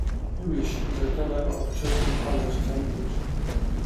Hewish is a fellow of Churchill College, Cambridge.